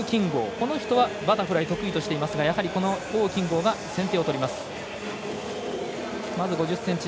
この人はバタフライ得意としていますがこの王金剛が先手を取ります。